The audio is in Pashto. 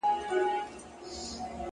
سیاه پوسي ده، ماسوم یې ژاړي،